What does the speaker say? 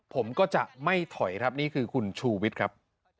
ผมก็จะไม่ถอยครับนี่คือคุณชูวิทย์ครับ